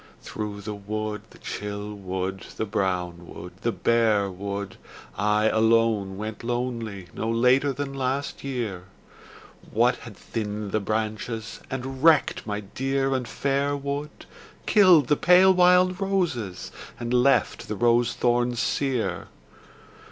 Through the wood, the chill wood, the brown wood, the bare wood, I alone went lonely no later than last year, What had thinned the branches, and wrecked my dear and fair wood, Killed the pale wild roses and left the rose thorns sere ?